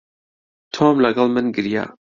تۆم لەگەڵ من گریا.